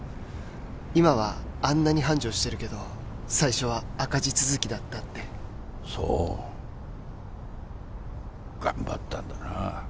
今はあんなに繁盛してるけど最初は赤字続きだったってそう頑張ったんだな